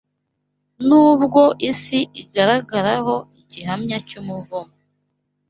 Nubwo isi igaragaraho igihamya cy’umuvumo